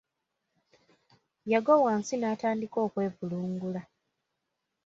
Yagwa wansi n’atandika okwevulungula.